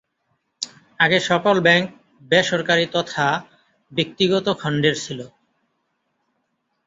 আগে সকল ব্যাঙ্ক বেসরকারী তথা ব্যক্তিগত খণ্ডের ছিল।